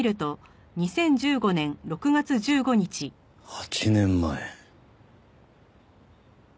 ８年前。